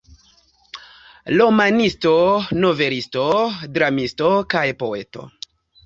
Romanisto, novelisto, dramisto kaj poeto.